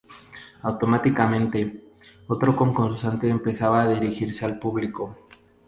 Automáticamente, otro concursante empezaba a dirigirse al público.